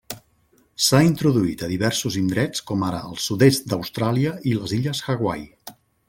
S'ha introduït a diversos indrets com ara el sud-est d'Austràlia i les illes Hawaii.